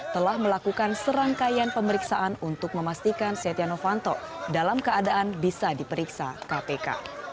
telah melakukan serangkaian pemeriksaan untuk memastikan setia novanto dalam keadaan bisa diperiksa kpk